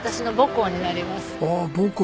ああ母校。